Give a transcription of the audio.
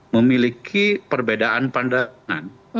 memiliki perbedaan pandangan